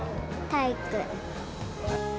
体育。